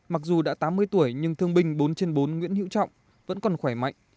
mặc dù đã tám mươi tuổi nhưng thương binh bốn trên bốn nguyễn hữu trọng vẫn còn khỏe mạnh